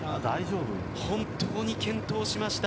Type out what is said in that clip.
本当に健闘しました。